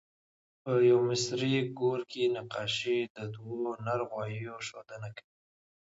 په یوه مصري ګور کې نقاشي د دوه نر غوایو ښودنه کوي.